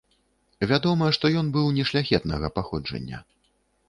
Вядома, што ён быў нешляхетнага паходжання.